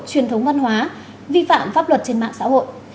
truyền thống văn hóa vi phạm pháp luật trên mạng xã hội